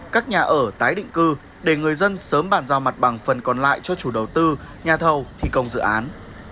các nhà ở tái định cư để người dân sớm bàn giao mặt bằng phần còn lại cho chủ đầu tư nhà thầu thi công dự án